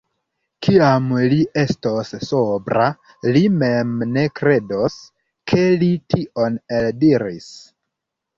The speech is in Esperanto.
Kiam li estos sobra, li mem ne kredos, ke li tion eldiris.